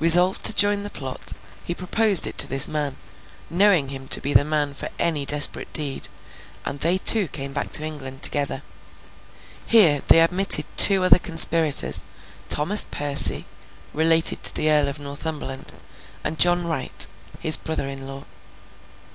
Resolved to join the plot, he proposed it to this man, knowing him to be the man for any desperate deed, and they two came back to England together. Here, they admitted two other conspirators; Thomas Percy, related to the Earl of Northumberland, and John Wright, his brother in law.